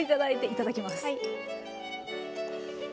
いただきます。